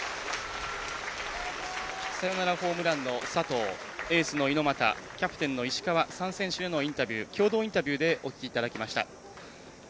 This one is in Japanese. サヨナラホームランの佐藤エースの猪俣キャプテンの石川３選手へのインタビュー共同インタビューでお聞きいただきました。